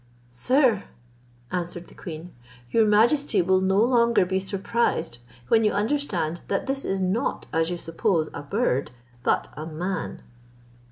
"Sir," answered the queen, "your majesty will no longer be surprised, when you understand, that this is not as you suppose a bird, but a man."